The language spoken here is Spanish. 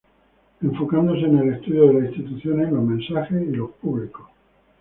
Enfocándose en el estudio de las instituciones, los mensajes y los públicos.